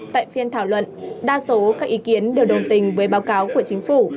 tại phiên thảo luận đa số các ý kiến đều đồng tình với báo cáo của chính phủ